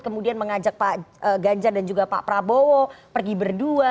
kemudian mengajak pak ganjar dan juga pak prabowo pergi berdua